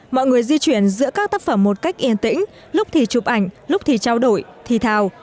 mọi người di chuyển giữa các tác phẩm một cách yên tĩnh lúc thì chụp ảnh lúc thì trao đổi thi thào